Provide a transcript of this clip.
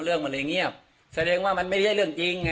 เรื่องมันเลยเงียบแสดงว่ามันไม่ใช่เรื่องจริง